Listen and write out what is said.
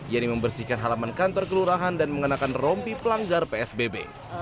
yaitu membersihkan halaman kantor kelurahan dan mengenakan rompi pelanggar psbb